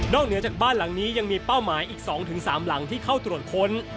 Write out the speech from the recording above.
เหนือจากบ้านหลังนี้ยังมีเป้าหมายอีก๒๓หลังที่เข้าตรวจค้น